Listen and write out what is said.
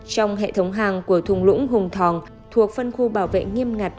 trong hệ thống hang của thùng lũng hùng thòng thuộc phân khu bảo vệ nghiêm ngặt